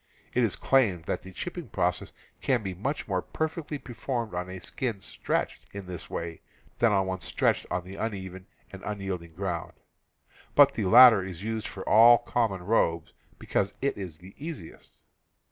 It is claimed that the chipping process can be much more perfectly performed on a skin stretched in this way than on one stretched on the uneven and unyielding ground, but the latter is used for all common robes, because it is the easiest.